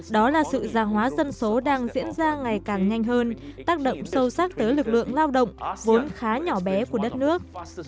đó là sự già hóa dân số đang diễn ra ngày càng nhanh hơn tác động sâu sắc tới lực lượng lao động vốn khá nhỏ bé của đất nước